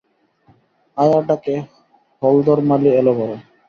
আয়ার ডাকে হলধর মালী এল ঘরে।